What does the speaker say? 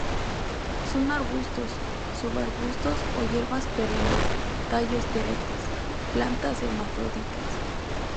Son arbustos, subarbustos o hierbas perennes, tallos teretes; plantas hermafroditas.